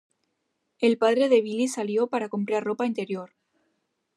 El padre de Billy salió para comprar ropa interior.